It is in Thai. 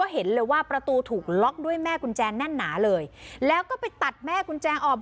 เห็นเลยว่าประตูถูกล็อกด้วยแม่กุญแจแน่นหนาเลยแล้วก็ไปตัดแม่กุญแจออก